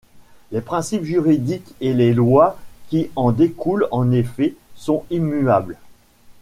Les principes juridiques et les lois qui en découlent, en effet, sont immuables.